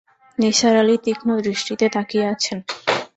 নিসার আলি তীক্ষ্ণদৃষ্টিতে তাকিয়ে আছেন।